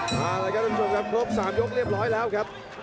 มาเลยครับทุกผู้ชมครับครบ๓ยกเรียบร้อยแล้วครับ